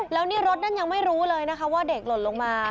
แล้วนี่รถนั้นยังไม่รู้เลยนะคะว่าเด็กหล่นลงมา